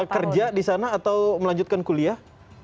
kerja di sana atau melanjutkan kuliah